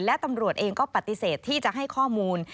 และตำรวจเองก็ปฏิเสธที่จะให้ข้อมูล